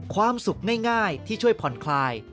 ความสุขง่ายที่ช่วยผ่อนคลาย